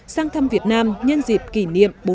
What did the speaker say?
sang thăm việt nam nhân dịp kỷ niệm